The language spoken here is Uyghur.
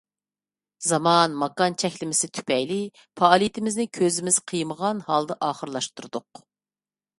زامان، ماكان چەكلىمىسى تۈپەيلى پائالىيىتىمىزنى كۆزىمىز قىيمىغان ھالدا ئاخىرلاشتۇردۇق.